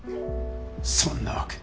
そんなわけ。